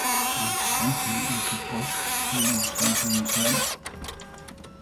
med sandhed i dit bryst, flyv mod sandhedens land!